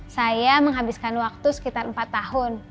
saya menghabiskan waktu sekitar empat tahun